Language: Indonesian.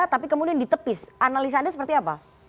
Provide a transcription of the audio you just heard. tapi kemudian ditepis analisa anda seperti apa